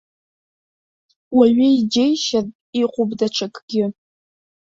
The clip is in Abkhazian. Уаҩы иџьеишьартә иҟоуп даҽакгьы.